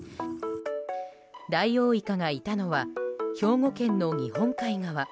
ダイオウイカがいたのは兵庫県の日本海側。